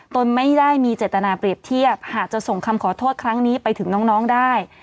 ตนไม่ได้มีเจตนาเปรียบเทียบหากจะส่งคำขอโทษครั้งนี้ไปถึงน้องได้